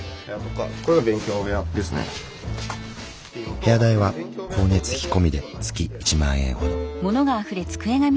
部屋代は光熱費込みで月１万円ほど。